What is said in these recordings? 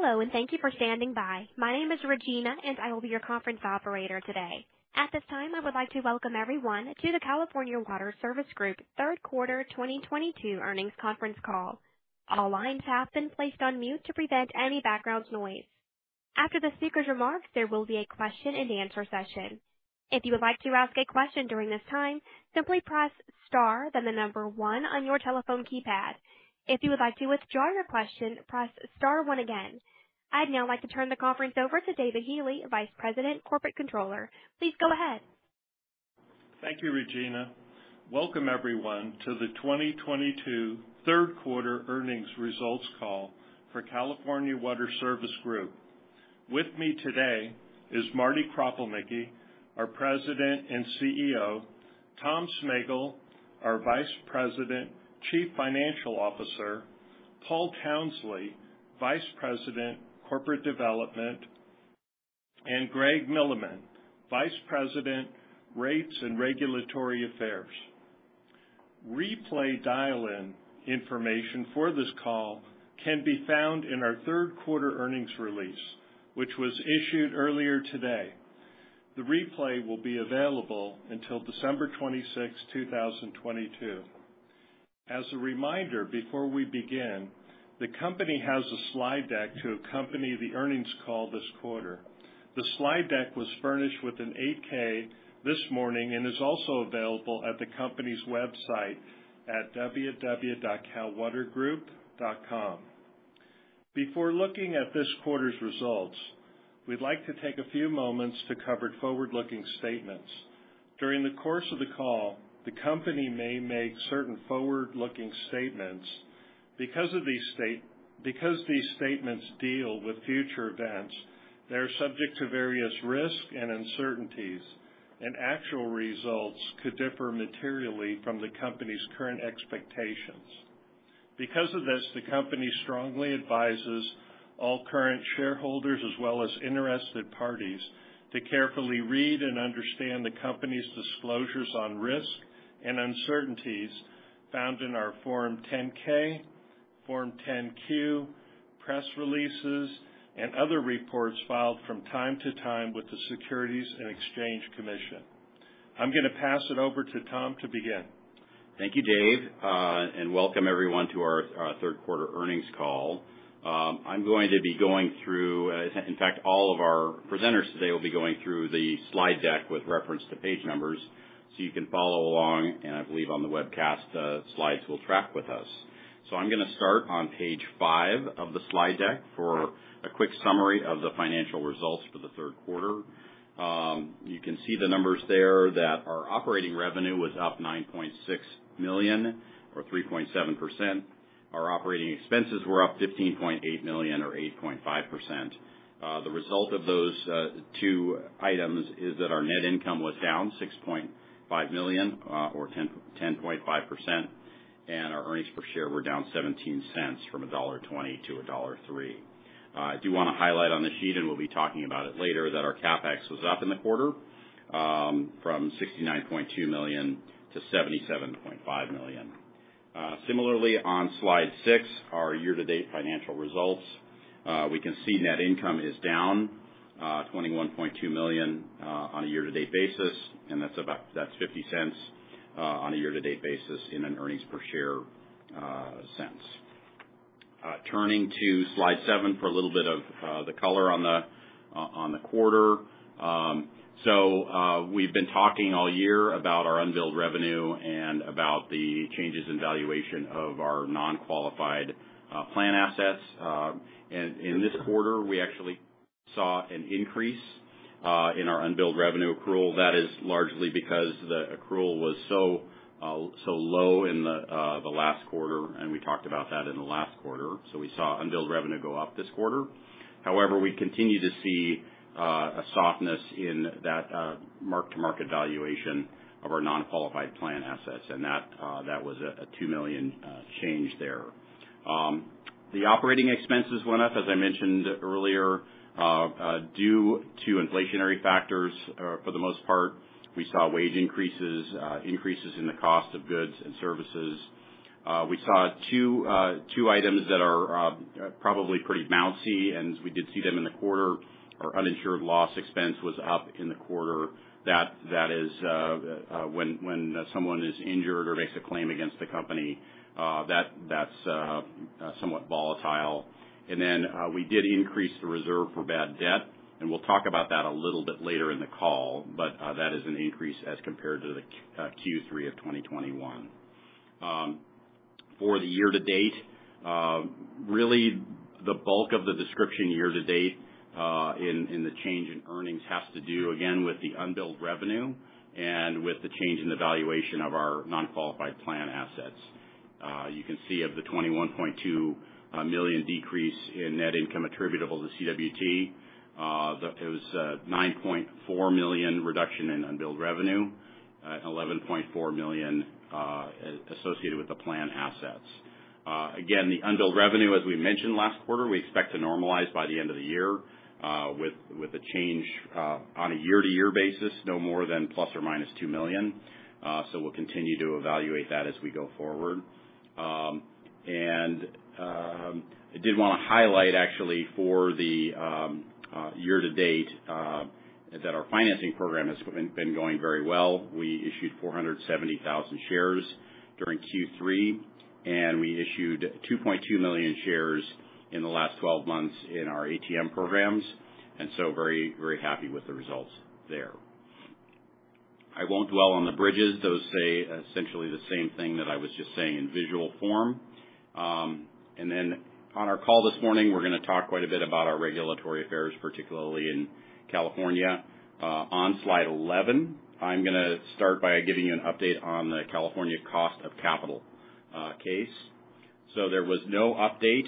Hello, and thank you for standing by. My name is Regina, and I will be your conference operator today. At this time, I would like to welcome everyone to the California Water Service Group Q3 2022 earnings conference call. All lines have been placed on mute to prevent any background noise. After the speaker's remarks, there will be a question-and-answer session. If you would like to ask a question during this time, simply press star, then the one on your telephone keypad. If you would like to withdraw your question, press star one again. I'd now like to turn the conference over to David B. Healey, Vice President, Corporate Controller. Please go ahead. Thank you, Regina. Welcome, everyone, to the 2022 Q3 earnings results call for California Water Service Group. With me today is Martin Kropelnicki, our President and CEO, Thomas Smegal, our Vice President, Chief Financial Officer, Paul Townsley, Vice President, Corporate Development, and Greg Milleman, Vice President, Rates and Regulatory Affairs. Replay dial-in information for this call can be found in our Q3 earnings release, which was issued earlier today. The replay will be available until 26 December 2022. As a reminder, before we begin, the company has a slide deck to accompany the earnings call this quarter. The slide deck was furnished with an 8-K this morning and is also available at the company's website at www.calwatergroup.com. Before looking at this quarter's results, we'd like to take a few moments to cover forward-looking statements. During the course of the call, the company may make certain forward-looking statements. Because these statements deal with future events, they're subject to various risks and uncertainties, and actual results could differ materially from the company's current expectations. Because of this, the company strongly advises all current shareholders as well as interested parties to carefully read and understand the company's disclosures on risk and uncertainties found in our Form 10-K, Form 10-Q, press releases, and other reports filed from time to time with the Securities and Exchange Commission. I'm gonna pass it over to Tom to begin. Thank you, David, and welcome everyone to our Q3 earnings call. In fact, all of our presenters today will be going through the slide deck with reference to page numbers, so you can follow along, and I believe on the webcast, the slides will track with us. I'm gonna start on page five of the slide deck for a quick summary of the financial results for the Q3. You can see the numbers there that our operating revenue was up $9.6 million or 3.7%. Our operating expenses were up $15.8 million or 8.5%. The result of those two items is that our net income was down $6.5 million or 10.5%, and our earnings per share were down $0.17 from $1.20 to $1.03. I do wanna highlight on this sheet, and we'll be talking about it later, that our CapEx was up in the quarter from $69.2 to 77.5 million. Similarly, on slide six, our year-to-date financial results. We can see net income is down $21.2 million on a year-to-date basis, and that's $0.50 on a year-to-date basis in earnings per share cents. Turning to slide seven for a little bit of the color on the quarter. We've been talking all year about our unbilled revenue and about the changes in valuation of our non-qualified plan assets. In this quarter, we actually saw an increase in our unbilled revenue accrual that is largely because the accrual was so low in the last quarter, and we talked about that in the last quarter. We saw unbilled revenue go up this quarter. However, we continue to see a softness in that mark-to-market valuation of our non-qualified plan assets, and that was a $2 million change there. The operating expenses went up, as I mentioned earlier, due to inflationary factors for the most part. We saw wage increases in the cost of goods and services. We saw two items that are probably pretty noisy, and we did see them in the quarter. Our uninsured loss expense was up in the quarter. That is when someone is injured or makes a claim against the company, that's somewhat volatile. We did increase the reserve for bad debt, and we'll talk about that a little bit later in the call, but that is an increase as compared to Q3 of 2021. For the year to date, really the bulk of the discrepancy year to date in the change in earnings has to do again with the unbilled revenue and with the change in the valuation of our non-qualified plan assets. You can see of the $21.2 million decrease in net income attributable to CWSG, $9.4 million reduction in unbilled revenue, $11.4 million associated with the plan assets. Again, the unbilled revenue, as we mentioned last quarter, we expect to normalize by the end of the year, with a change on a year-to-year basis no more than ±2 million. We'll continue to evaluate that as we go forward. I did want to highlight actually for the year to date that our financing program has been going very well. We issued 470,000 shares during Q3, and we issued $2.2 million shares in the last 12 months in our ATM programs, and so very, very happy with the results there. I won't dwell on the bridges those say essentially the same thing that I was just saying in visual form. On our call this morning, we're gonna talk quite a bit about our regulatory affairs, particularly in California. On slide 11, I'm gonna start by giving you an update on the California cost of capital case. There was no update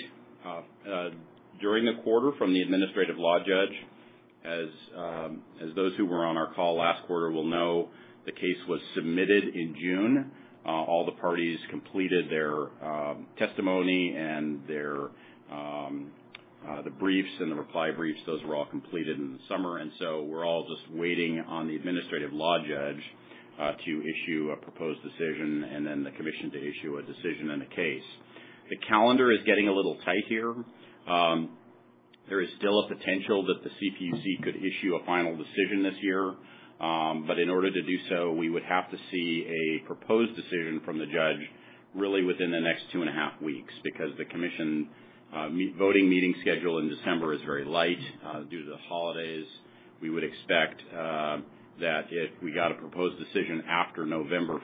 during the quarter from the administrative law judge. As those who were on our call last quarter will know, the case was submitted in June. All the parties completed their testimony and the briefs and the reply briefs, those were all completed in the summer, and so we're all just waiting on the administrative law judge to issue a proposed decision and then the commission to issue a decision in the case. The calendar is getting a little tight here. There is still a potential that the CPUC could issue a final decision this year, but in order to do so, we would have to see a proposed decision from the judge really within the next 2.5 weeks, because the commission voting meeting schedule in December is very light due to the holidays. We would expect that if we got a proposed decision after 15 November,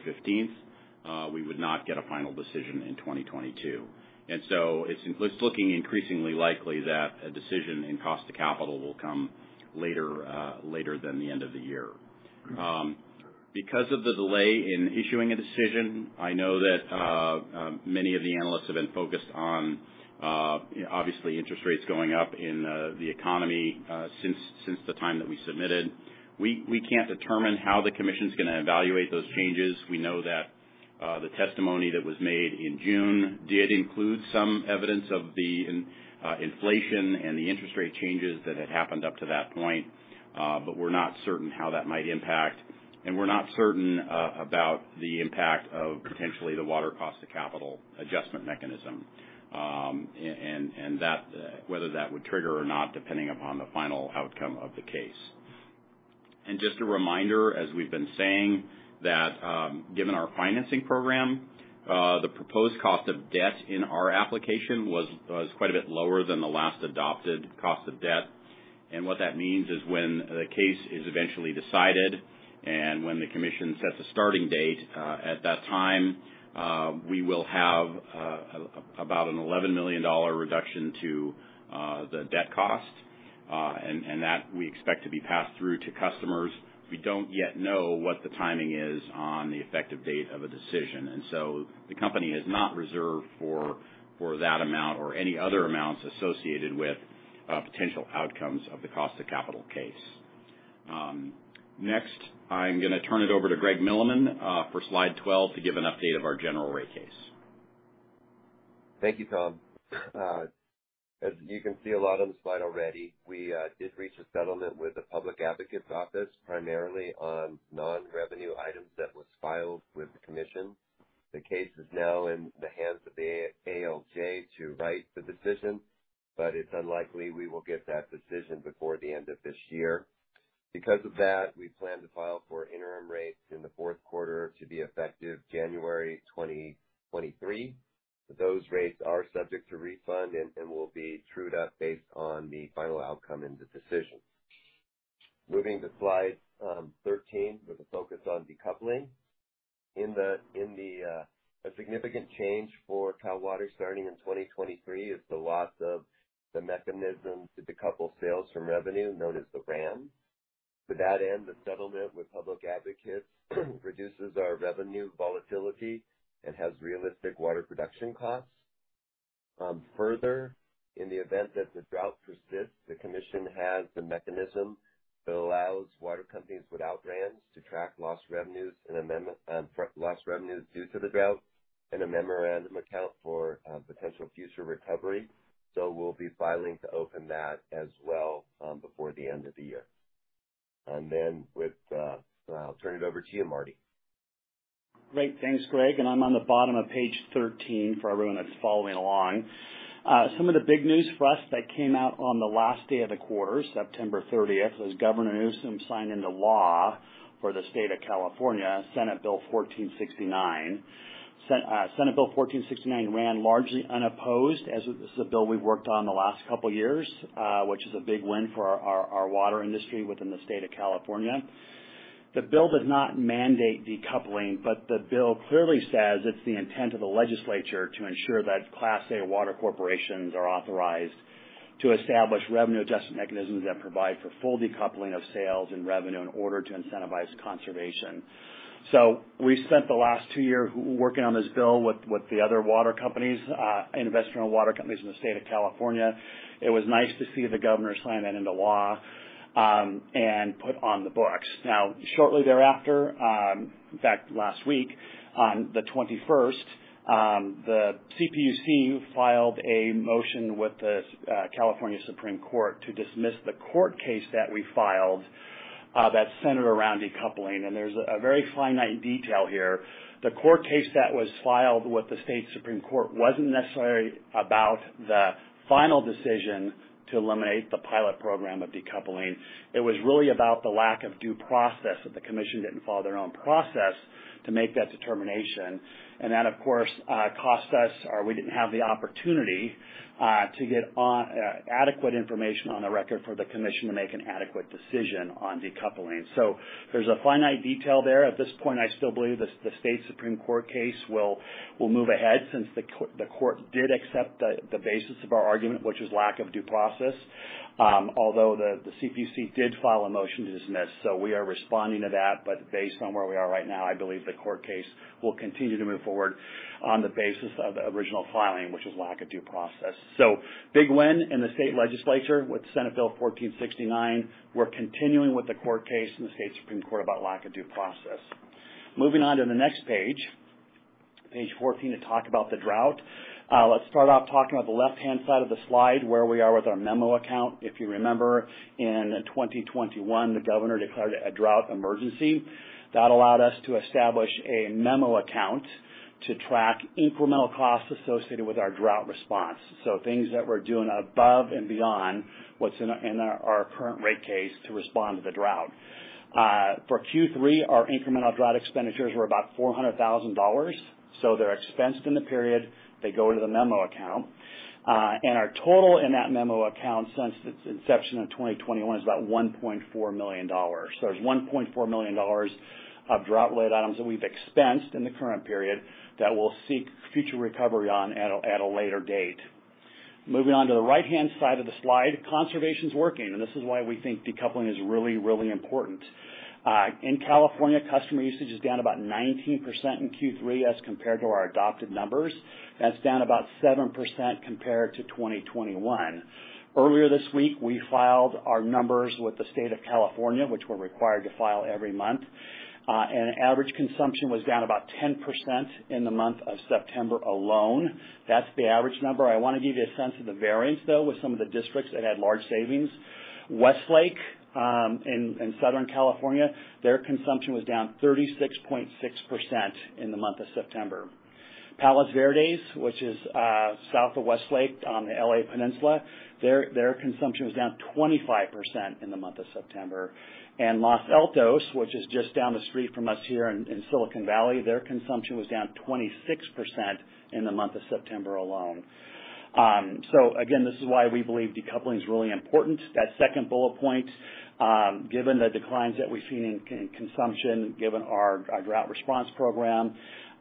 we would not get a final decision in 2022. It's looking increasingly likely that a decision in cost of capital will come later than the end of the year. Because of the delay in issuing a decision, I know that many of the analysts have been focused on, obviously, interest rates going up in the economy since the time that we submitted. We can't determine how the commission's gonna evaluate those changes. We know that the testimony that was made in June did include some evidence of the inflation and the interest rate changes that had happened up to that point, but we're not certain how that might impact. We're not certain about the impact of the potential water cost of capital adjustment mechanism and whether that would trigger or not, depending upon the final outcome of the case. Just a reminder, as we've been saying that, given our financing program, the proposed cost of debt in our application was quite a bit lower than the last adopted cost of debt. What that means is when the case is eventually decided and when the commission sets a starting date, at that time, we will have about a $11 million reduction to the debt cost, and that we expect to be passed through to customers. We don't yet know what the timing is on the effective date of a decision. The company has not reserved for that amount or any other amounts associated with potential outcomes of the cost of capital case. Next, I'm gonna turn it over to Greg Milleman for slide 12 to give an update of our general rate case. Thank you, Tom. As you can see a lot on the slide already, we did reach a settlement with the public advocate's office primarily on non-revenue items that was filed with the commission. The case is now in the hands of the ALJ to write the decision, but it's unlikely we will get that decision before the end of this year. Because of that, we plan to file for interim rates in the Q4 to be effective January 2023. Those rates are subject to refund and will be trued up based on the final outcome in the decision. Moving to slide 13 with a focus on decoupling. A significant change for Cal Water starting in 2023 is the loss of the mechanism to decouple sales from revenue known as the RAM. To that end, the settlement with public advocates reduces our revenue volatility and has realistic water production costs. Further, in the event that the drought persists, the Commission has the mechanism that allows water companies without RAMs to track lost revenues due to the drought in a memorandum account for potential future recovery. We'll be filing to open that as well, before the end of the year. Then, I'll turn it over to you, Martin. Great. Thanks, Greg, I'm on the bottom of page 13 for everyone that's following along. Some of the big news for us that came out on the last day of the quarter, 30 September, was Governor Newsom signed into law for the state of California Senate Bill 1469. Senate Bill 1469 ran largely unopposed as this is a bill we've worked on the last couple years, which is a big win for our water industry within the state of California. The bill does not mandate decoupling, but the bill clearly says it's the intent of the legislature to ensure that Class A water corporations are authorized to establish revenue adjustment mechanisms that provide for full decoupling of sales and revenue in order to incentivize conservation. We spent the last two years working on this bill with the other water companies, investor-owned water companies in the state of California. It was nice to see the governor sign that into law and put on the books. Now, shortly thereafter, in fact, last week on the 21st, the CPUC filed a motion with the Supreme Court of California to dismiss the court case that we filed. That's centered around decoupling, and there's a very fine detail here. The court case that was filed with the Supreme Court of California wasn't necessarily about the final decision to eliminate the pilot program of decoupling. It was really about the lack of due process, that the commission didn't follow their own process to make that determination. That, of course, cost us, or we didn't have the opportunity to get adequate information on the record for the commission to make an adequate decision on decoupling. There's a fine detail there at this point, I still believe the Supreme Court of California case will move ahead since the court did accept the basis of our argument, which is lack of due process. Although the CPUC did file a motion to dismiss, so we are responding to that based on where we are right now, I believe the court case will continue to move forward on the basis of the original filing, which is lack of due process. Big win in the state legislature with Senate Bill 1469. We're continuing with the court case in the Supreme Court of California about lack of due process. Moving on to the next page 14, to talk about the drought. Let's start off talking about the left-hand side of the slide, where we are with our memo account. If you remember, in 2021, the governor declared a drought emergency. That allowed us to establish a memo account to track incremental costs associated with our drought response. Things that we're doing above and beyond what's in our current rate case to respond to the drought. For Q3, our incremental drought expenditures were about $400,000. They're expensed in the period. They go to the memo account. Our total in that memo account since its inception in 2021 is about $1.4 million so $1.4 million of drought-related items that we've expensed in the current period that we'll seek future recovery on at a later date. Moving on to the right-hand side of the slide, conservation's working, and this is why we think decoupling is really, really important. In California, customer usage is down about 19% in Q3 as compared to our adopted numbers. That's down about 7% compared to 2021. Earlier this week, we filed our numbers with the state of California, which we're required to file every month. Average consumption was down about 10% in the month of September alone. That's the average number i wanna give you a sense of the variance, though, with some of the districts that had large savings. Westlake, in Southern California, their consumption was down 36.6% in the month of September. Palos Verdes, which is south of Westlake on the L.A. peninsula, their consumption was down 25% in the month of September. Los Altos, which is just down the street from us here in Silicon Valley, their consumption was down 26% in the month of September alone. Again, this is why we believe decoupling is really important that second bullet point, given the declines that we've seen in consumption, given our drought response program,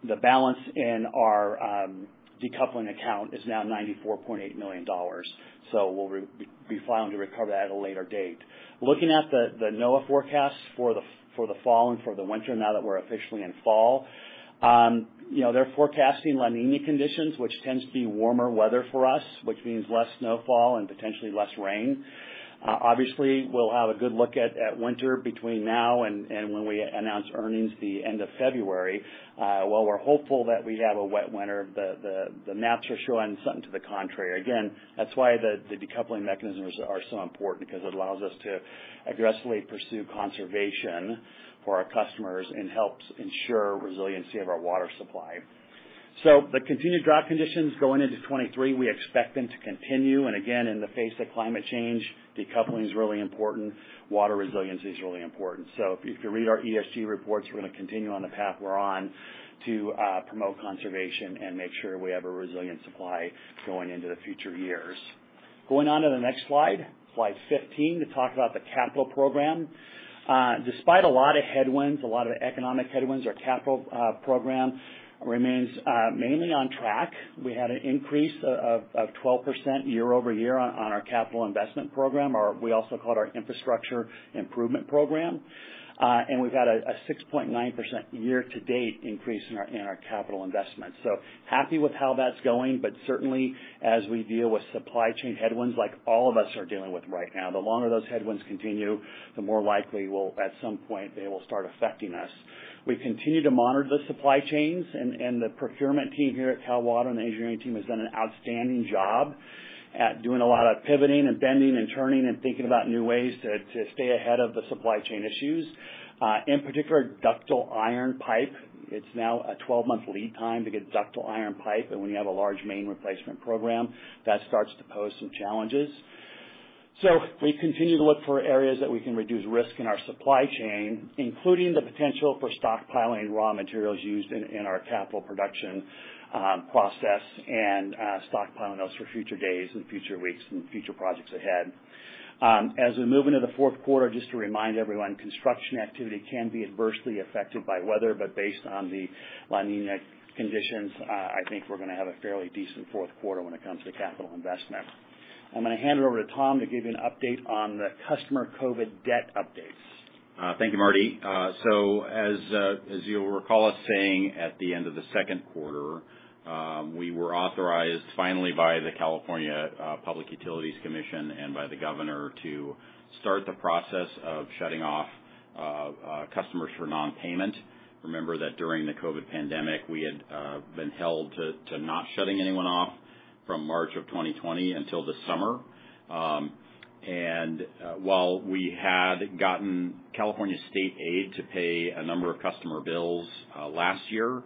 the balance in our decoupling account is now $94.8 million. We'll refiling to recover that at a later date. Looking at the NOAA forecasts for the fall and for the winter, now that we're officially in fall, you know, they're forecasting La Niña conditions, which tends to be warmer weather for us, which means less snowfall and potentially less rain. Obviously, we'll have a good look at winter between now and when we announce earnings the end of February. While we're hopeful that we have a wet winter, the maps are showing something to the contrary. Again, that's why the decoupling mechanisms are so important, because it allows us to aggressively pursue conservation for our customers and helps ensure resiliency of our water supply. The continued drought conditions going into 2023, we expect them to continue and again the face of climate change, decoupling is really important, water resilience is really important so if you read our ESG reports, we're gonna continue on the path we're on to promote conservation and make sure we have a resilient supply going into the future years. Going on to the next slide 15, to talk about the capital program. Despite a lot of headwinds, a lot of economic headwinds, our capital program remains mainly on track. We had an increase of 12% year-over-year on our capital investment program, or we also call it our infrastructure improvement program. We've had a 6.9% year to date increase in our capital investment. Happy with how that's going, but certainly, as we deal with supply chain headwinds like all of us are dealing with right now, the longer those headwinds continue, the more likely we'll at some point they will start affecting us. We continue to monitor the supply chains and the procurement team here at Cal Water, and the engineering team has done an outstanding job at doing a lot of pivoting and bending and turning and thinking about new ways to stay ahead of the supply chain issues. In particular, ductile iron pipe. It's now a 12-month lead time to get ductile iron pipe when you have a large main replacement program, that starts to pose some challenges. We continue to look for areas that we can reduce risk in our supply chain, including the potential for stockpiling raw materials used in our capital production process and stockpiling those for future days and future weeks and future projects ahead. As we move into the Q4, just to remind everyone, construction activity can be adversely affected by weather, but based on the La Niña conditions, I think we're gonna have a fairly decent Q4 when it comes to capital investment. I'm gonna hand it over to Tom to give you an update on the customer COVID debt updates. Thank you, Martin As you'll recall us saying at the end of the Q2, we were authorized finally by the California Public Utilities Commission and by the governor to start the process of shutting off customers for non-payment. Remember that during the COVID pandemic, we had been held to not shutting anyone off from March of 2020 until the summer. While we had gotten California state aid to pay a number of customer bills last year,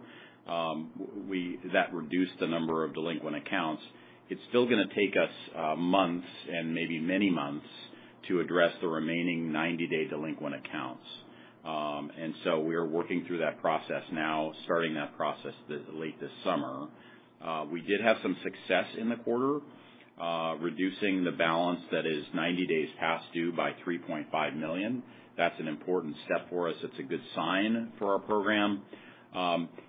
that reduced the number of delinquent accounts. It's still gonna take us months and maybe many months to address the remaining 90-day delinquent accounts. We are working through that process now, starting that process late this summer. We did have some success in the quarter, reducing the balance that is 90 days past due by $3.5 million. That's an important step for us it's a good sign for our program.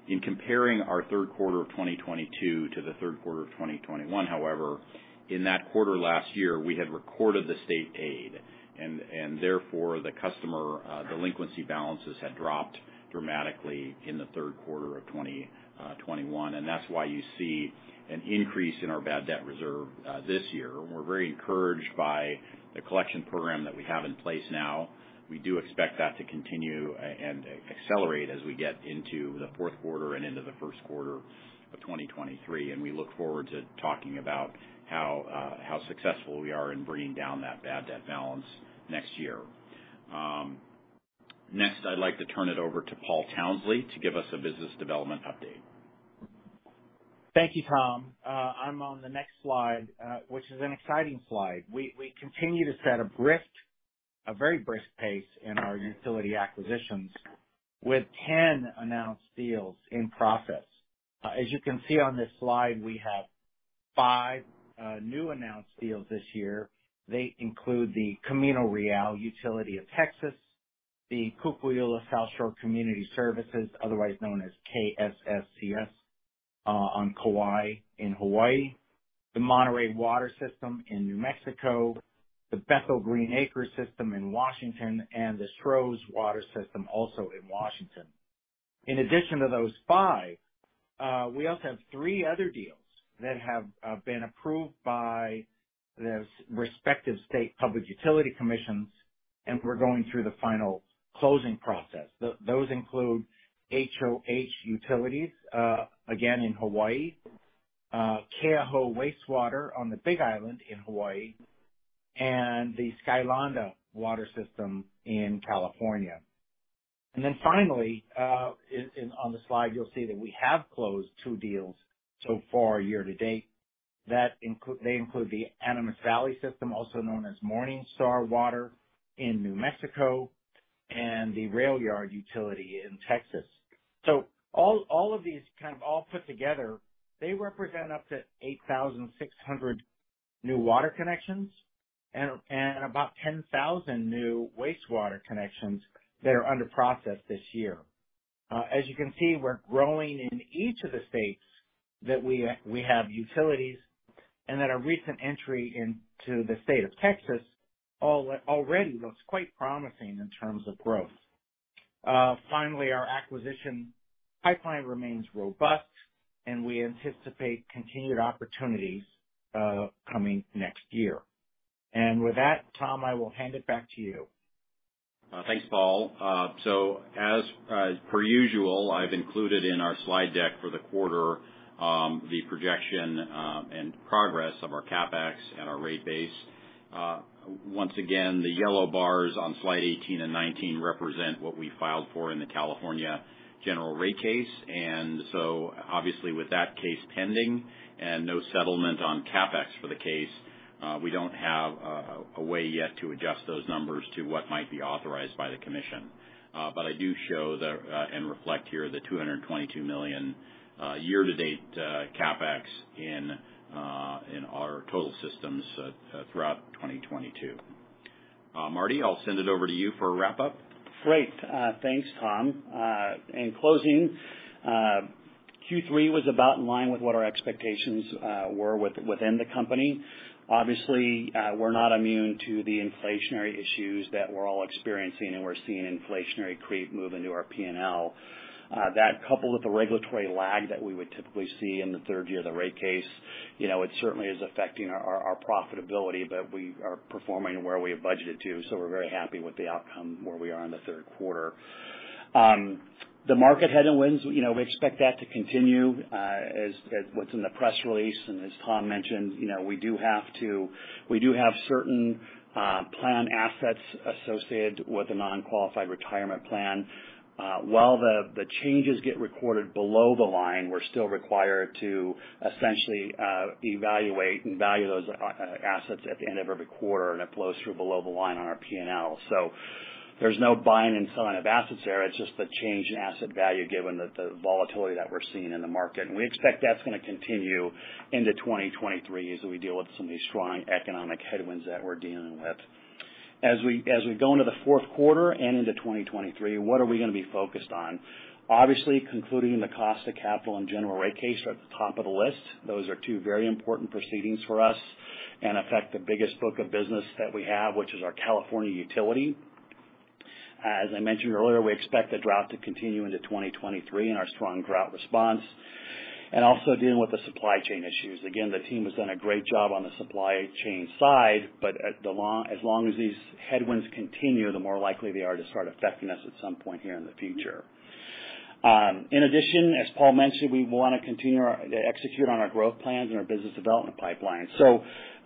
In comparing our Q3 of 2022 to the Q3 of 2021, however, in that quarter last year, we had recorded the state aid and therefore, the customer delinquency balances had dropped dramatically in the Q3 of 2021, and that's why you see an increase in our bad debt reserve this year we're very encouraged by the collection program that we have in place now. We do expect that to continue and accelerate as we get into the Q4 and into the Q1 of 2023, and we look forward to talking about how successful we are in bringing down that bad debt balance next year. Next, I'd like to turn it over to Paul Townsley to give us a business development update. Thank you, Tom. I'm on the next slide, which is an exciting slide we continue to set a very brisk pace in our utility acquisitions. With 10 announced deals in process. As you can see on this slide, we have five new announced deals this year. They include the Camino Real Utility Company, the Kaupuni South Shore Community Services, otherwise known as KSSCS, on Kauai in Hawaii, the Monterey Water Company in New Mexico, the Bethel Green Acres System in Washington, and the Strohs Water System, also in Washington. In addition to those five, we also have three other deals that have been approved by the respective state public utility commissions, and we're going through the final closing process those include HOH Utilities, again in Hawaii. Keauhou Wastewater on the Big Island in Hawaii, and the Skylonda Water System in California. On the slide, you'll see that we have closed two deals so far year to date. They include the Animas Valley system, also known as Morningstar Water in New Mexico, and the Railyard Utility in Texas. All of these kind of all put together, they represent up to 8,600 new water connections and about 10,000 new wastewater connections that are under process this year. As you can see, we're growing in each of the states that we have utilities, and then a recent entry into the State of Texas already looks quite promising in terms of growth. Finally, our acquisition pipeline remains robust, and we anticipate continued opportunities coming next year. With that, Tom, I will hand it back to you. Thanks, Paul. As per usual, I've included in our slide deck for the quarter the projection and progress of our CapEx and our rate base. Once again, the yellow bars on slide 18 and 19 represent what we filed for in the California general rate case. Obviously with that case pending and no settlement on CapEx for the case, we don't have a way yet to adjust those numbers to what might be authorized by the commission. I do show and reflect here the $222 million year-to-date CapEx in our total systems throughout 2022. Martin, I'll send it over to you for a wrap-up. Great. Thanks, Tom. In closing, Q3 was about in line with what our expectations were within the company. Obviously, we're not immune to the inflationary issues that we're all experiencing, and we're seeing inflationary creep move into our P&L. That coupled with the regulatory lag that we would typically see in the third year of the rate case, you know, it certainly is affecting our profitability, but we are performing where we have budgeted to, so we're very happy with the outcome where we are in the Q3. The market headwinds, you know, we expect that to continue. As what's in the press release, and as Tom mentioned, you know, we do have certain plan assets associated with the non-qualified retirement plan. While the changes get recorded below the line, we're still required to essentially evaluate and value those assets at the end of every quarter, and it flows through below the line on our P&L. There's no buying and selling of assets there it's just the change in asset value given the volatility that we're seeing in the market. We expect that's gonna continue into 2023 as we deal with some of these strong economic headwinds that we're dealing with. As we go into the Q4 and into 2023, what are we gonna be focused on? Obviously, concluding the cost of capital and general rate case are at the top of the list. Those are two very important proceedings for us and affect the biggest book of business that we have, which is our California utility. As I mentioned earlier, we expect the drought to continue into 2023 and our strong drought response and also dealing with the supply chain issues again, the team has done a great job on the supply chain side, but as long as these headwinds continue, the more likely they are to start affecting us at some point here in the future. In addition, as Paul mentioned, we wanna continue to execute on our growth plans and our business development pipeline.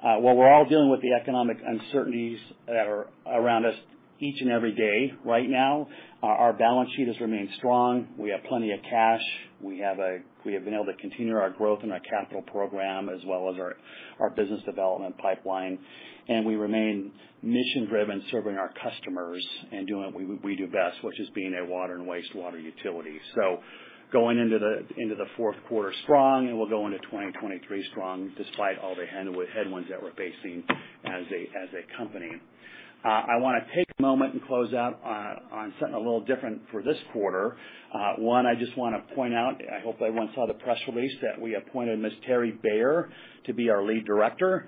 While we're all dealing with the economic uncertainties that are around us each and every day right now, our balance sheet has remained strong. We have plenty of cash. We have been able to continue our growth in our capital program as well as our business development pipeline, and we remain mission-driven, serving our customers and doing what we do best, which is being a water and wastewater utility. Going into the Q4 strong, and we'll go into 2023 strong despite all the headwinds that we're facing as a company. I wanna take a moment and close out on something a little different for this quarter. I just wanna point out, I hope everyone saw the press release that we appointed Ms. Terry Bayer to be our lead director.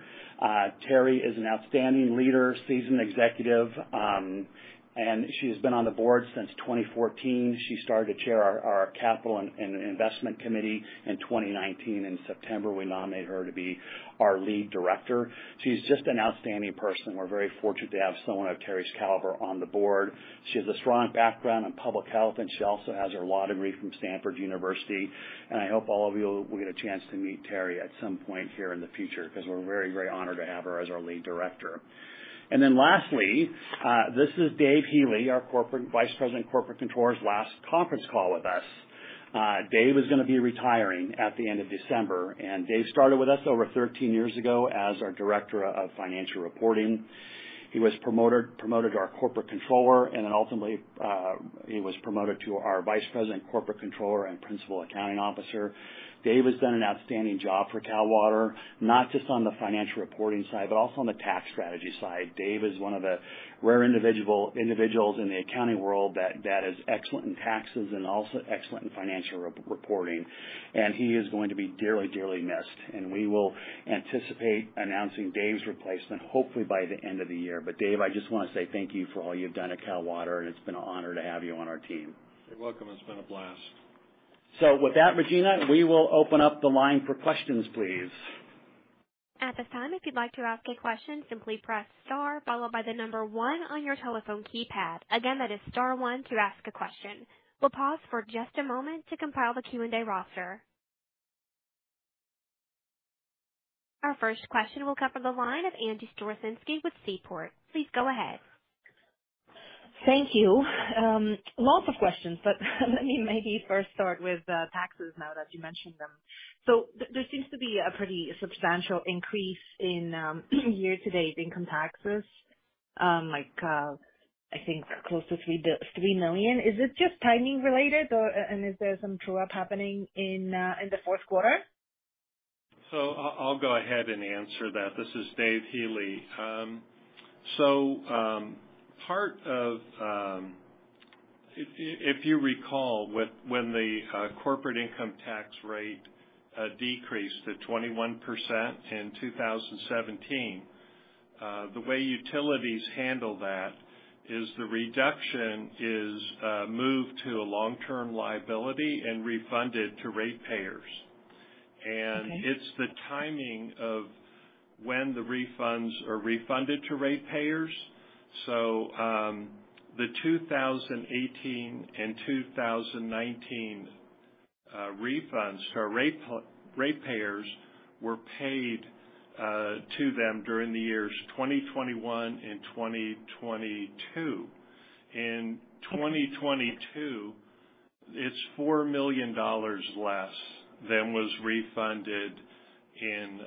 Terry is an outstanding leader, seasoned executive, and she has been on the board since 2014. She started to chair our capital and investment committee in 2019in September, we nominated her to be our lead director. She's just an outstanding person we're very fortunate to have someone of Terry's caliber on the board. She has a strong background in public health, and she also has her law degree from Stanford University. I hope all of you will get a chance to meet Terry at some point here in the future, 'cause we're very, very honored to have her as our lead director. Lastly, this is David Healey, our Vice President Corporate Controller's last conference call with us. David is gonna be retiring at the end of December, and David started with us over 13 years ago as our Director of Financial Reporting. He was promoted to our Corporate Controller, and then ultimately, he was promoted to our Vice President Corporate Controller and principal accounting officer. David has done an outstanding job for Cal Water, not just on the financial reporting side, but also on the tax strategy side David is one of the rare individuals in the accounting world that is excellent in taxes and also excellent in financial reporting. He is going to be dearly missed. We will anticipate announcing David's replacement hopefully by the end of the year David, I just wanna say thank you for all you've done at Cal Water, and it's been an honor to have you on our team. You're welcome. It's been a blast. With that, Regina, we will open up the line for questions, please. At this time, if you'd like to ask a question, simply press star followed by the number one on your telephone keypad. Again, that is star one to ask a question. We'll pause for just a moment to compile the Q&A roster. Our first question will come from the line of Angie Storozynski with Seaport. Please go ahead. Thank you. Lots of questions, but let me maybe first start with taxes now that you mentioned them. There seems to be a pretty substantial increase in year-to-date income taxes, like, I think close to $3 million is it just timing related or and is there some true-up happening in the Q4? I'll go ahead and answer that. This is David B. Healey. If you recall, when the corporate income tax rate decreased to 21% in 2017, the way utilities handle that is the reduction is moved to a long-term liability and refunded to ratepayers. Okay. It's the timing of when the refunds are refunded to ratepayers. The 2018 and 2019 refunds to our ratepayers were paid to them during the years 2021 and 2022. In 2022, it's $4 million less than was refunded in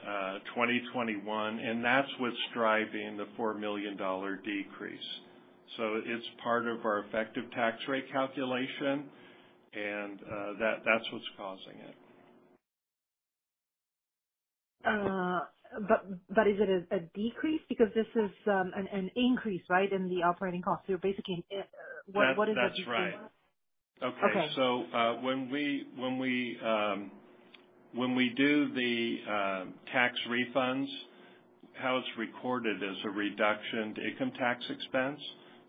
2021, and that's what's driving the $4 million decrease. It's part of our effective tax rate calculation, and that's what's causing it. Is it a decrease? Because this is an increase, right, in the operating cost basically, what is it? That, that's right. Okay. When we do the tax refunds, how it's recorded is a reduction to income tax expense.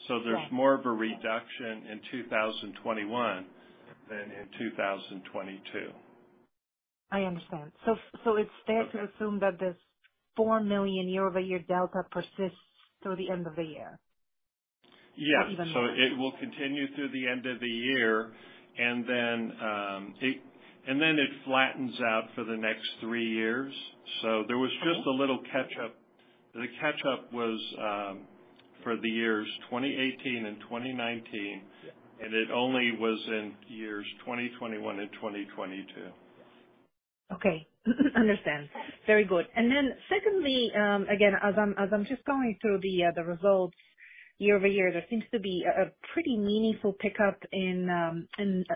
Right. There's more of a reduction in 2021 than in 2022. I understand. It's fair to assume that this $4 million year-over-year delta persists through the end of the year? Yes. Even more. It will continue through the end of the year, and then it flattens out for the next three years. Okay. There was just a little catch-up. The catch-up was for the years 2018 and 2019. Yeah. It only was in years 2021 and 2022. Okay. Understand. Very good. Then secondly, again, as I'm just going through the results year-over-year, there seems to be a pretty meaningful pickup in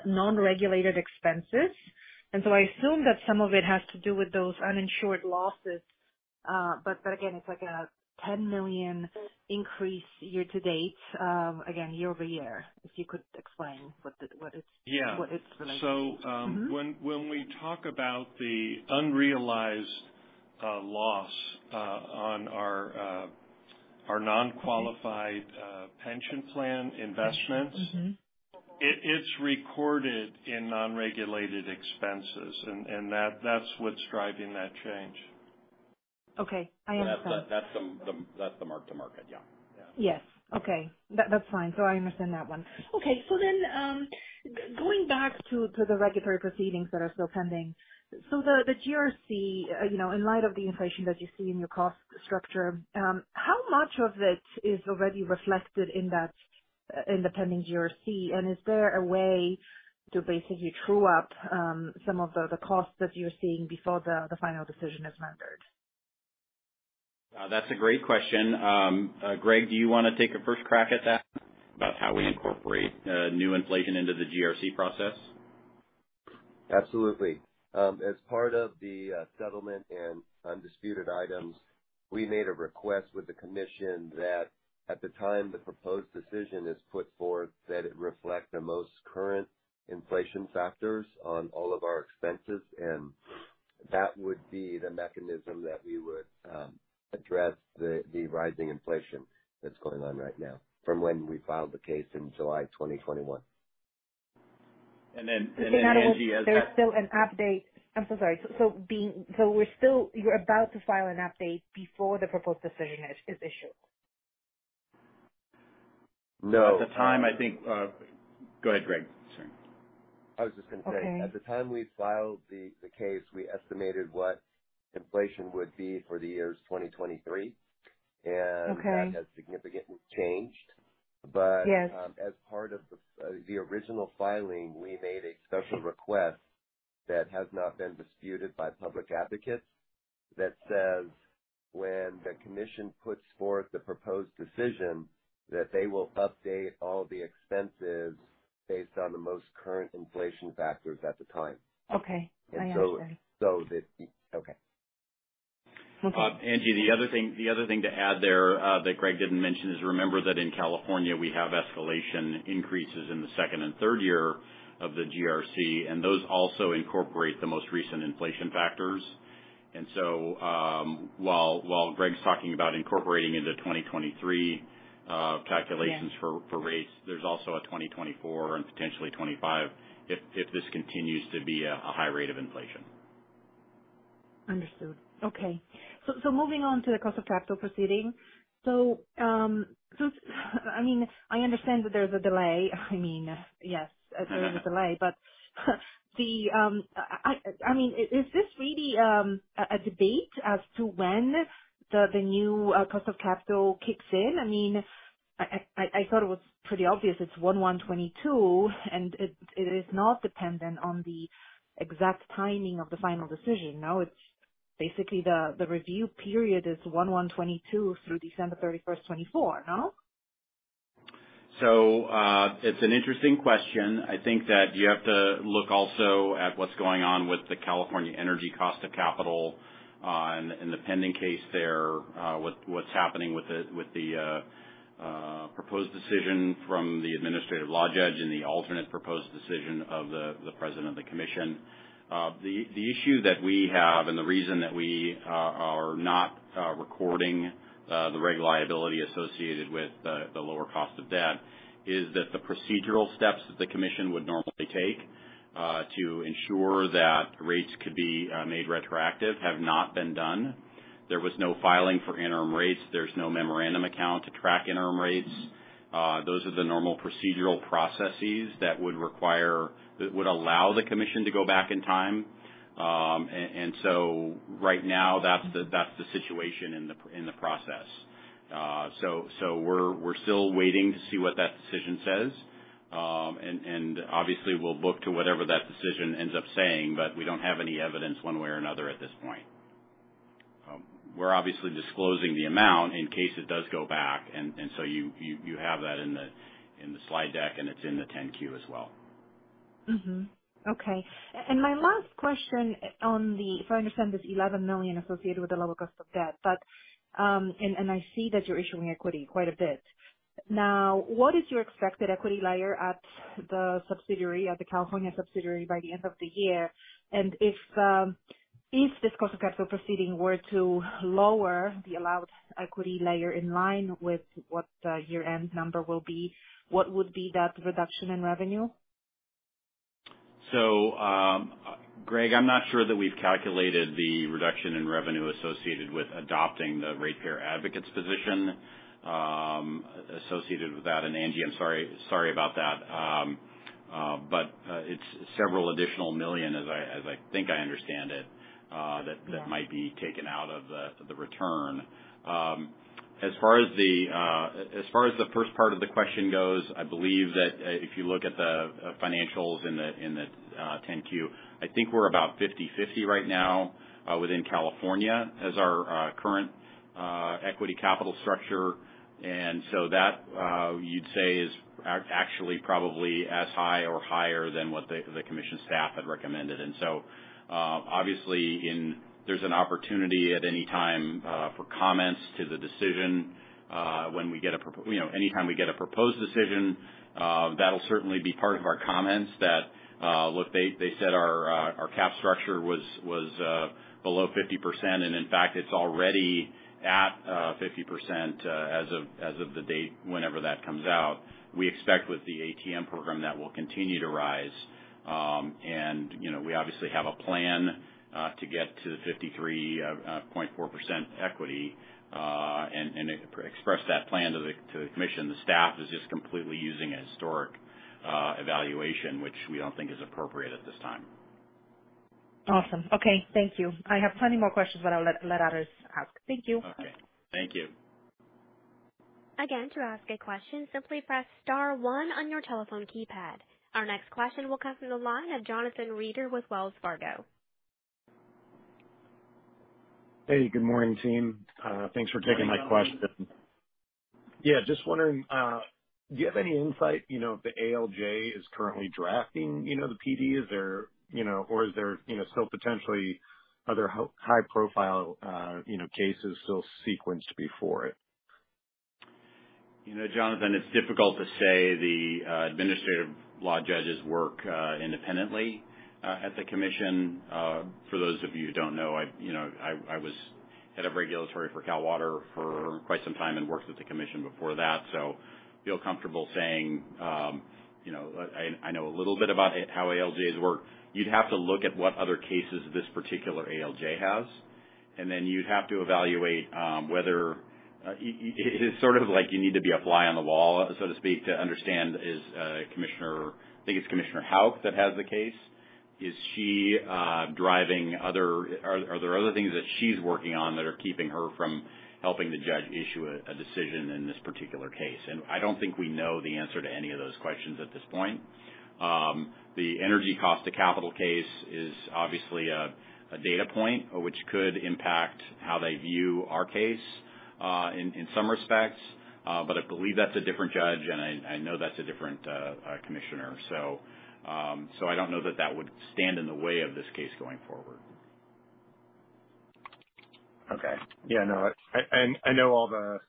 non-regulated expenses. I assume that some of it has to do with those uninsured losses. Again, it's like a $10 million increase year to date, again, year-over-year. If you could explain what is? Yeah. What is the reason? When we talk about the unrealized loss on our non-qualified pension plan investments. It's recorded in non-regulated expenses and that's what's driving that change. Okay. I understand. That's the mark to market. Yeah. Yeah. Yes. Okay. That's fine. I understand that one. Okay. Going back to the regulatory proceedings that are still pending. The GRC, you know, in light of the inflation that you see in your cost structure, how much of it is already reflected in that, in the pending GRC? And is there a way to basically true up some of the costs that you're seeing before the final decision is rendered? That's a great question. Greg, do you wanna take a first crack at that, about how we incorporate new inflation into the GRC process? Absolutely. As part of the settlement and undisputed items, we made a request with the commission that at the time the proposed decision is put forth, that it reflect the most current inflation factors on all of our expenses. That would be the mechanism that we would address the rising inflation that's going on right now from when we filed the case in July 2021. Angie, as- There's still an update. I'm so sorry you're about to file an update before the proposed decision is issued. No. At the time, I think, Go ahead, Greg. Sorry. I was just gonna say. Okay. At the time we filed the case, we estimated what inflation would be for the years 2023. Okay. That has significantly changed. Yes. As part of the original filing, we made a special request that has not been disputed by public advocates that says, when the Commission puts forth the proposed decision, that they will update all the expenses based on the most current inflation factors at the time. Okay. I understand. Okay. Okay. Angie, the other thing to add there that Greg didn't mention is remember that in California we have escalation increases in the second and third year of the GRC, and those also incorporate the most recent inflation factors. While Greg's talking about incorporating into 2023 calculations. Yeah. For rates, there's also a 2024 and potentially 2025 if this continues to be a high rate of inflation. Understood. Okay. Moving on to the cost of capital proceeding. I mean, I understand that there's a delay. I mean, yes, there is a delay, but the, I mean, is this really, a debate as to when the new cost of capital kicks in? I mean, I thought it was pretty obvious it's 1 January 2022, and it is not dependent on the exact timing of the final decision no, it's basically the review period is 1 January 2022 through 31 December 2024, no? It's an interesting question. I think that you have to look also at what's going on with the California energy cost of capital and the pending case there, what's happening with the proposed decision from the administrative law judge and the alternate proposed decision of the President of the Commission. The issue that we have and the reason that we are not recording the rate liability associated with the lower cost of debt is that the procedural steps that the Commission would normally take to ensure that rates could be made retroactive have not been done. There was no filing for interim rates. There's no memorandum account to track interim rates. Those are the normal procedural processes that would allow the Commission to go back in time. Right now that's the situation in the process. We're still waiting to see what that decision says. Obviously we'll look to whatever that decision ends up saying, but we don't have any evidence one way or another at this point. We're obviously disclosing the amount in case it does go back and you have that in the slide deck, and it's in the 10-Q as well. Okay. If I understand this $11 million associated with the lower cost of debt, but I see that you're issuing equity quite a bit. Now, what is your expected equity layer at the subsidiary, at the California subsidiary by the end of the year? If this cost of capital proceeding were to lower the allowed equity layer in line with what the year-end number will be, what would be that reduction in revenue? Greg, I'm not sure that we've calculated the reduction in revenue associated with adopting the ratepayer advocate's position, associated with that Angie, I'm sorry about that. It's several additional million, as I think I understand it. Yeah. That might be taken out of the return. As far as the first part of the question goes, I believe that if you look at the financials in the 10-Q, I think we're about 50/50 right now within California as our current equity capital structure. That you'd say is actually probably as high or higher than what the commission staff had recommended. Obviously there's an opportunity at any time for comments to the decision when we get you know anytime we get a proposed decision that'll certainly be part of our comments that look they said our capital structure was below 50% and in fact it's already at 50% as of the date whenever that comes out. We expect with the ATM program that will continue to rise. You know we obviously have a plan to get to 53.4% equity and express that plan to the commission the staff is just completely using a historical evaluation which we don't think is appropriate at this time. Awesome. Okay, thank you. I have plenty more questions, but I'll let others ask. Thank you. Okay, thank you. Again, to ask a question, simply press star one on your telephone keypad. Our next question will come from the line of Jonathan Reeder with Wells Fargo. Hey, good morning, team. Thanks for taking my question. Yeah, just wondering, do you have any insight, you know, if the ALJ is currently drafting, you know, the PD? Is there, you know, or is there, you know, still potentially other high profile, you know, cases still sequenced before it? You know, Jonathan, it's difficult to say. The administrative law judges work independently at the commission. For those of you who don't know, you know, I was head of regulatory for Cal Water for quite some time and worked with the commission before that. Feel comfortable saying, you know, I know a little bit about how ALJs work. You'd have to look at what other cases this particular ALJ has. Then you'd have to evaluate whether it is sort of like you need to be a fly on the wall, so to speak, to understand. I think it's Commissioner Houck that has the case. Are there other things that she's working on that are keeping her from helping the judge issue a decision in this particular case? I don't think we know the answer to any of those questions at this point. The energy cost to capital case is obviously a data point which could impact how they view our case, in some respects. But I believe that's a different judge, and I know that's a different commissioner. I don't know that that would stand in the way of this case going forward. Okay. Yeah, no, I know all the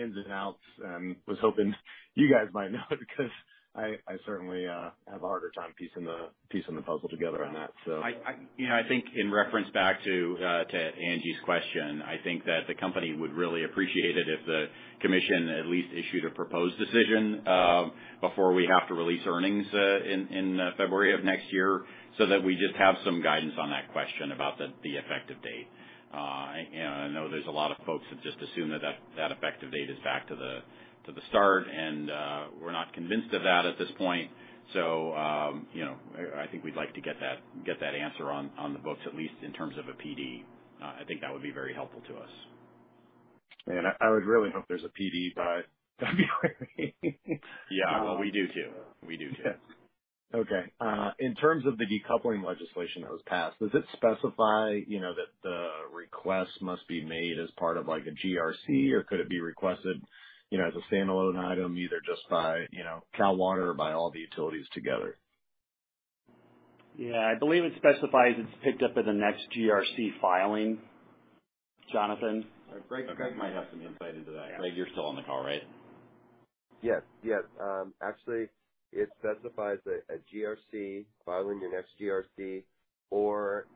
ins and outs and was hoping you guys might know because I certainly have a harder time piecing the puzzle together on that so. You know, I think in reference back to Angie's question, I think that the company would really appreciate it if the commission at least issued a proposed decision before we have to release earnings in February of next year, so that we just have some guidance on that question about the effective date. I know there's a lot of folks that just assume that effective date is back to the start, and we're not convinced of that at this point. You know, I think we'd like to get that answer on the books, at least in terms of a PD. I think that would be very helpful to us. Yeah. I would really hope there's a PD by February. Yeah. Well, we do too. Okay. In terms of the decoupling legislation that was passed, does it specify, you know, that the request must be made as part of like a GRC, or could it be requested, you know, as a standalone item, either just by, you know, Cal Water or by all the utilities together? Yeah, I believe it specifies it's picked up in the next GRC filing, Jonathan. Greg might have some insight into that. Greg, you're still on the call, right? Yes. Actually, it specifies a GRC filing in our next GRC or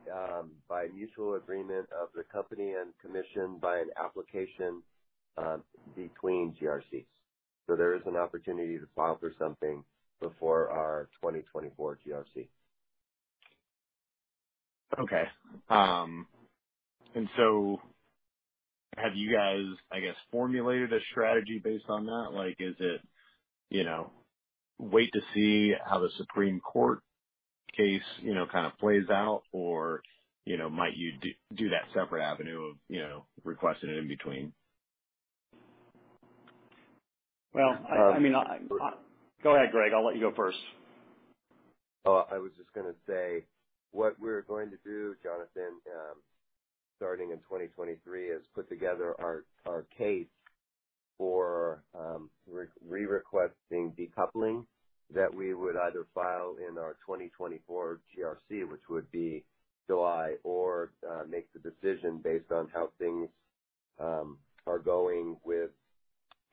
by mutual agreement of the company and Commission by an application between GRCs. There is an opportunity to file for something before our 2024 GRC. Okay. Have you guys, I guess, formulated a strategy based on that? Like, is it, you know, wait to see how the Supreme Court case, you know, kind of plays out, or, you know, might you do that separate avenue of, you know, requesting it in between? Well, I mean, go ahead, Greg. I'll let you go first. Oh, I was just gonna say, what we're going to do, Jonathan, starting in 2023, is put together our case for re-requesting decoupling that we would either file in our 2024 GRC, which would be July, or make the decision based on how things are going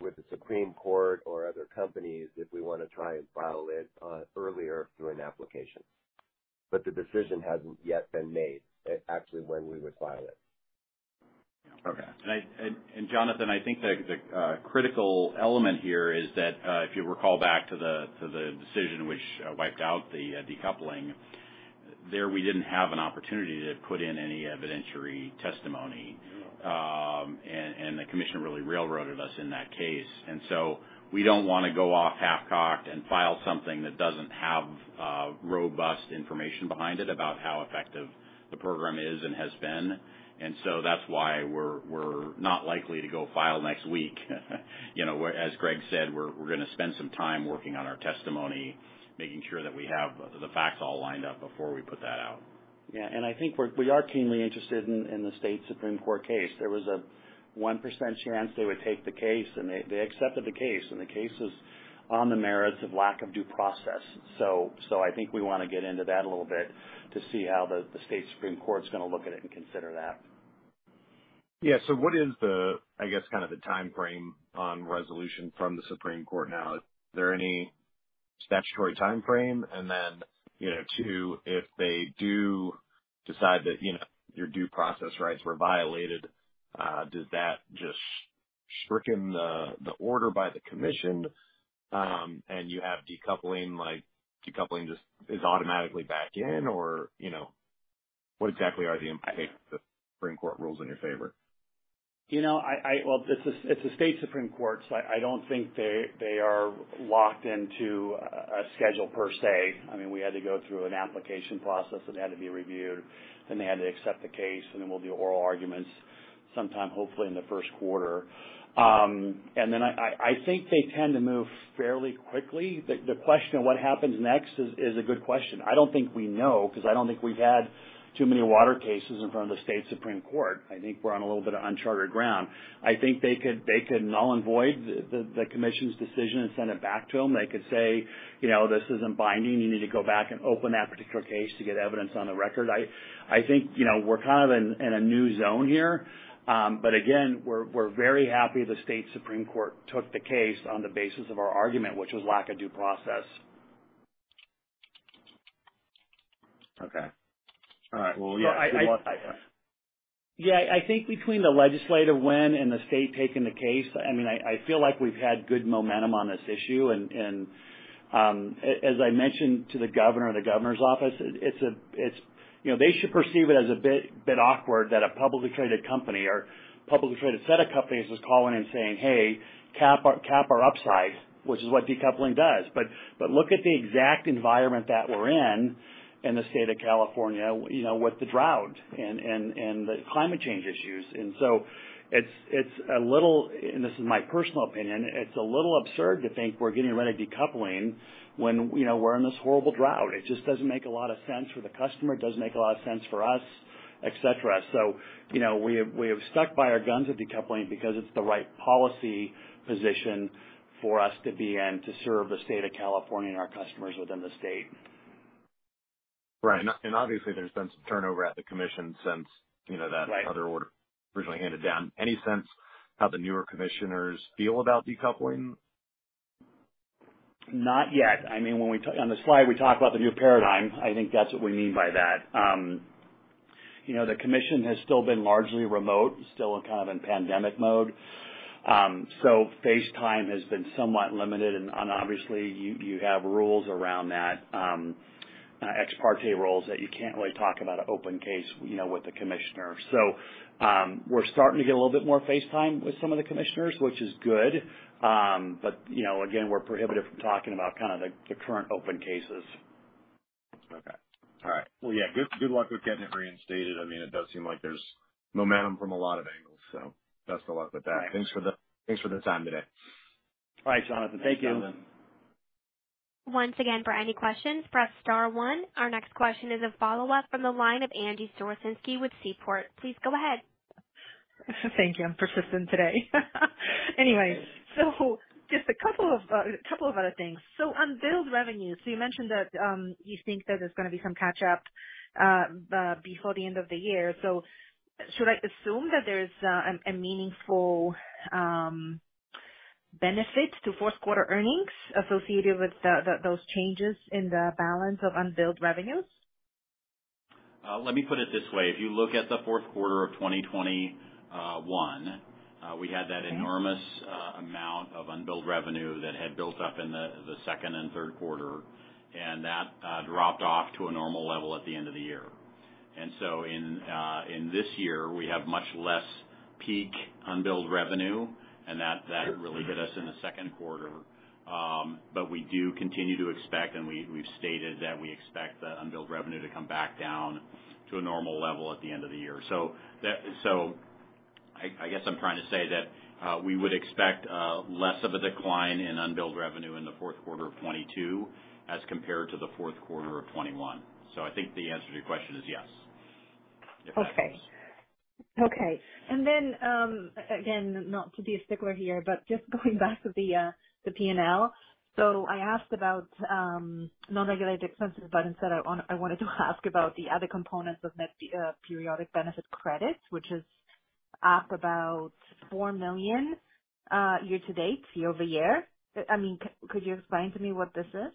with the Supreme Court or other companies if we wanna try and file it earlier through an application. But the decision hasn't yet been made, actually, when we would file it. Okay. Jonathan, I think the critical element here is that if you recall back to the decision which wiped out the decoupling, there we didn't have an opportunity to put in any evidentiary testimony. The commission really railroaded us in that case. We don't wanna go off half-cocked and file something that doesn't have robust information behind it about how effective the program is and has been. That's why we're not likely to go file next week. You know, as Greg said, we're gonna spend some time working on our testimony, making sure that we have the facts all lined up before we put that out. Yeah. I think we are keenly interested in the state Supreme Court case there was a 1% chance they would take the case, and they accepted the case the case is on the merits of lack of due process. I think we wanna get into that a little bit to see how the state Supreme Court's gonna look at it and consider that. Yeah. What is the, I guess, kind of the timeframe on resolution from the Supreme Court now? Is there any Statutory timeframe? You know, too, if they do decide that, you know, your due process rights were violated, does that just stricken the order by the commission, and you have decoupling, like decoupling just is automatically back in or, you know, what exactly are the impacts if the Supreme Court rules in your favor? You know, well, it's the state Supreme Court, so I don't think they are locked into a schedule per se. I mean, we had to go through an application process that had to be reviewed, then they had to accept the case, and then we'll do oral arguments sometime, hopefully in the Q1. I think they tend to move fairly quickly. The question of what happens next is a good question i don't think we know because I don't think we've had too many water cases in front of the state Supreme Court. I think we're on a little bit of uncharted ground. I think they could null and void the commission's decision and send it back to them they could say" "You know, this isn't binding you need to go back and open that particular case to get evidence on the record." I think, you know, we're kind of in a new zone here. Again, we're very happy the state Supreme Court took the case on the basis of our argument, which was lack of due process. Okay. All right. Well, yeah. Good luck. Yeah. I think between the legislative win and the state taking the case, I mean, I feel like we've had good momentum on this issue. As I mentioned to the Governor and the Governor's office, you know, they should perceive it as a bit awkward that a publicly traded company or publicly traded set of companies is calling and saying, "Hey, cap our upside," which is what decoupling does. Look at the exact environment that we're in in the state of California, you know, with the drought and the climate change issues. It's a little, and this is my personal opinion, it's a little absurd to think we're getting rid of decoupling when, you know, we're in this horrible drought it just doesn't make a lot of sense for the customer, it doesn't make a lot of sense for us, et cetera. You know, we have stuck by our guns with decoupling because it's the right policy position for us to be in to serve the state of California and our customers within the state. Right. Obviously there's been some turnover at the commission since, you know, that... Right... other order originally handed down any sense how the newer commissioners feel about decoupling? Not yet. I mean, on the slide, we talk about the new paradigm i think that's what we mean by that. You know, the commission has still been largely remote, still kind of in pandemic mode. Face time has been somewhat limited and obviously you have rules around that, ex parte rules that you can't really talk about an open case, you know, with the commissioner. We're starting to get a little bit more face time with some of the commissioners, which is good. You know, again, we're prohibited from talking about kind of the current open cases. Okay. All right. Well, yeah, good luck with getting it reinstated. I mean, it does seem like there's momentum from a lot of angles, so best of luck with that. Thanks. Thanks for the time today. All right, Jonathan. Thank you. Thanks, Jonathan. Once again, for any questions, press star one our next question is a follow-up from the line of Angie Storozynski with Seaport. Please go ahead. Thank you. I'm persistent today. Anyway, just a couple of other things. Unbilled revenue, you mentioned that you think that there's gonna be some catch up before the end of the year. Should I assume that there's a meaningful benefit to Q4 earnings associated with those changes in the balance of unbilled revenues? Let me put it this way. If you look at the Q4 of 2021, we had that enormous. Okay. Amount of unbilled revenue that had built up in the Q2 and Q3, and that dropped off to a normal level at the end of the year. In this year, we have much less peak unbilled revenue, and that really hit us in the Q2. We do continue to expect, and we've stated that we expect the unbilled revenue to come back down to a normal level at the end of the year. I guess I'm trying to say that we would expect less of a decline in unbilled revenue in the Q4 of 2022 as compared to the Q4 of 2021. I think the answer to your question is yes. Okay. Again, not to be a stickler here, but just going back to the P&L. I asked about non-regulated expenses, but instead I wanted to ask about the other components of net periodic benefit credits, which is up about $4 million year to date, year over year. I mean, could you explain to me what this is?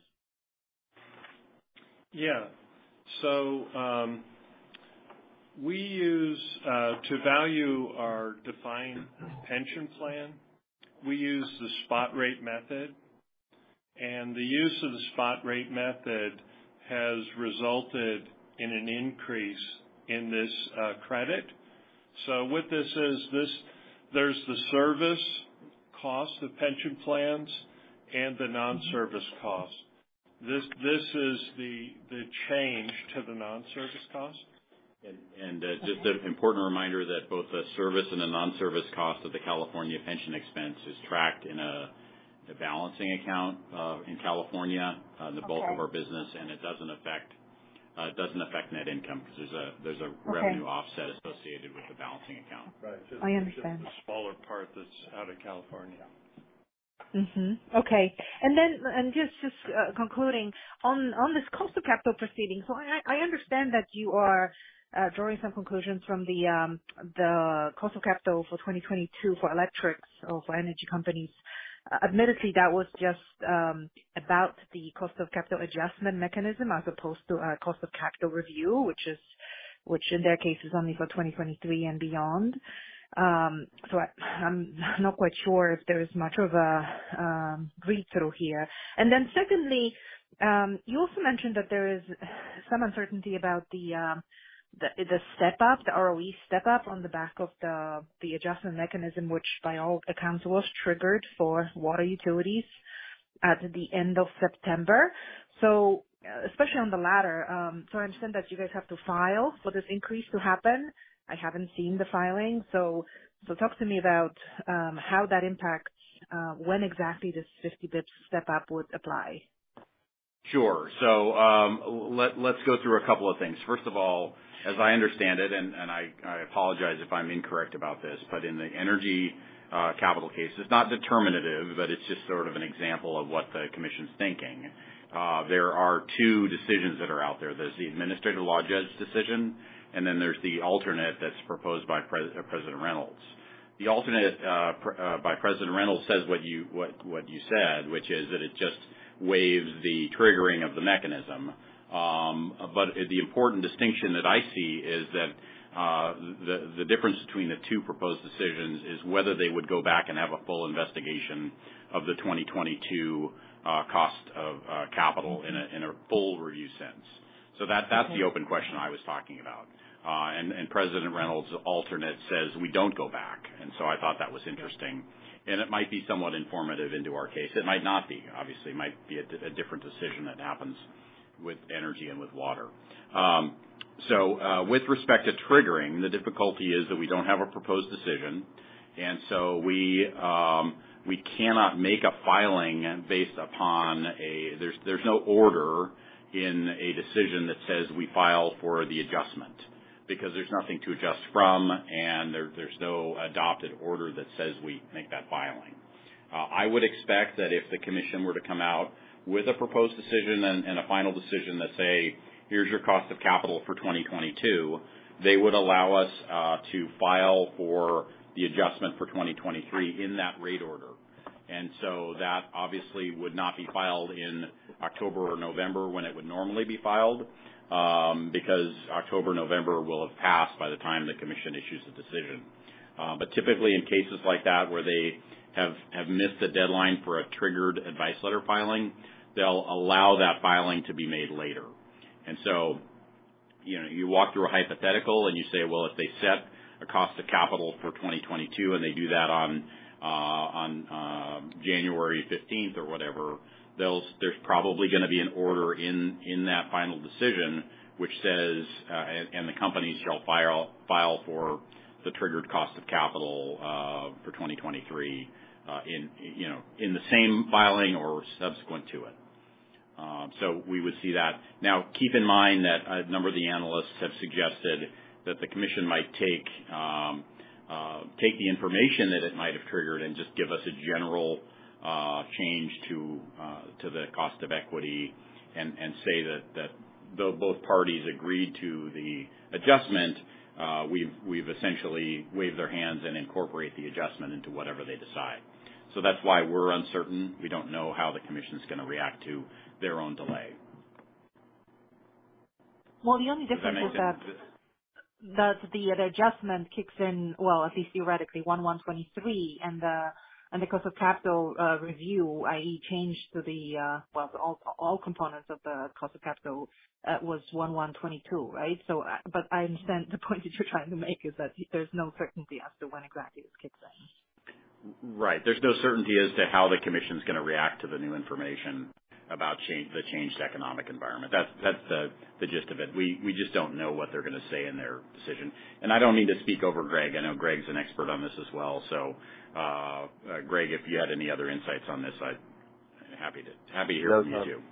We use the spot rate method to value our defined pension plan, and the use of the spot rate method has resulted in an increase in this credit. What this is, there's the service cost of pension plans and the non-service cost. This is the change to the non-service cost. Just an important reminder that both the service and the non-service cost of the California pension expense is tracked in a balancing account in California. Okay. The bulk of our business, and it doesn't affect net income because there's a- Okay. -revenue offset associated with the balancing account. Right. I understand. It's just the smaller part that's out of California. Okay. Just concluding on this cost of capital proceeding i understand that you are drawing some conclusions from the cost of capital for 2022 for electrics or for energy companies. Admittedly, that was just about the cost of capital adjustment mechanism as opposed to a cost of capital review, which in their case is only for 2023 and beyond. I'm not quite sure if there is much of a read through here. Secondly, you also mentioned that there is some uncertainty about the step up, the ROE step up on the back of the adjustment mechanism, which by all accounts was triggered for water utilities at the end of September. Especially on the latter, I understand that you guys have to file for this increase to happen. I haven't seen the filing. Talk to me about how that impacts when exactly this 50 basis points step up would apply. Sure. Let's go through a couple of things first of all, as I understand it, and I apologize if I'm incorrect about this, but in the energy capital case, it's not determinative, but it's just sort of an example of what the commission's thinking. There are two decisions that are out there there's the administrative law judge decision, and then there's the alternate that's proposed by President John Reynolds. The alternate by President John Reynolds says what you said, which is that it just waives the triggering of the mechanism. The important distinction that I see is that the difference between the two proposed decisions is whether they would go back and have a full investigation of the 2022 cost of capital in a full review sense. That's the open question I was talking about. President Reynolds says we don't go back i thought that was interesting. It might be somewhat informative to our case it might not be it might be a different decision that happens with energy and with water. With respect to triggering, the difficulty is that we don't have a proposed decision. We cannot make a filing. There's no order or a decision that says we file for the adjustment. Because there's nothing to adjust from, and there's no adopted order that says we make that filing. I would expect that if the commission were to come out with a proposed decision and a final decision that say, "Here's your cost of capital for 2022," they would allow us to file for the adjustment for 2023 in that rate order. That obviously would not be filed in October or November when it would normally be filed, because October, November will have passed by the time the commission issues a decision. Typically in cases like that where they have missed a deadline for a triggered advice letter filing, they'll allow that filing to be made later. You know, you walk through a hypothetical and you say, well, if they set a cost of capital for 2022 and they do that on 15 January or whatever, there's probably gonna be an order in that final decision which says, and the companies shall file for the triggered cost of capital for 2023, you know, in the same filing or subsequent to it. We would see that. Now, keep in mind that a number of the analysts have suggested that the commission might take the information that it might have triggered and just give us a general change to the cost of equity and say that though both parties agreed to the adjustment, we've essentially hand-waved and incorporate the adjustment into whatever they decide. That's why we're uncertain we don't know how the commission's gonna react to their own delay. Well, the only difference is that the adjustment kicks in, well, at least theoretically, 1 January 2023 and the cost of capital review, i.e. change to all components of the cost of capital, was 1 January 2022, right? But I understand the point that you're trying to make is that there's no certainty as to when exactly this kicks in. Right. There's no certainty as to how the commission's gonna react to the new information about change, the changed economic environment that's the gist of it we just don't know what they're gonna say in their decision. I don't mean to speak over Greg i know Greg's an expert on this as well. Greg, if you had any other insights on this, I'm happy to hear from you,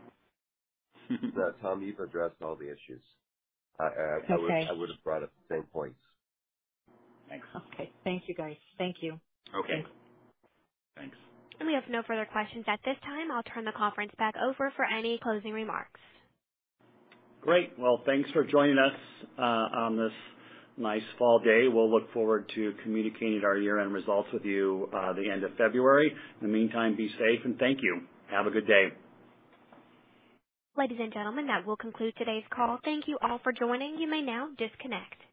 too. No, Tom, you've addressed all the issues. Okay. I would've brought up the same points. Thanks. Okay. Thank you guys. Thank you. Okay. Thanks. We have no further questions at this time. I'll turn the conference back over for any closing remarks. Great. Well, thanks for joining us on this nice fall day we'll look forward to communicating our year-end results with you the end of February. In the meantime, be safe and thank you. Have a good day. Ladies and gentlemen, that will conclude today's call. Thank you all for joining. You may now disconnect.